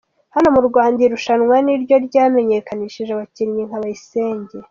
hano mu Rwanda iri rushanwa niryo ryamenyekanishije abakinnyi nka Bayisenge.